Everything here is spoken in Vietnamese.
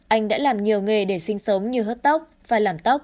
anh đã làm nhiều nghề để sinh sống như hớt tóc pha làm tóc